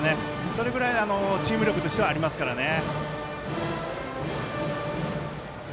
それぐらいチーム力としてはありますからね。